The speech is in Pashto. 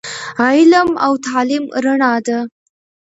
علم او تعليم رڼا ده